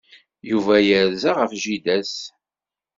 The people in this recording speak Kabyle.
Yuba yerza ɣef jida-s.